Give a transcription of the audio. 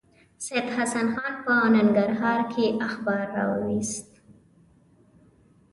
سید حسن خان په ننګرهار کې اخبار راوایست.